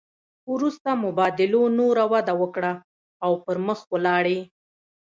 وروسته مبادلو نوره وده وکړه او پرمخ ولاړې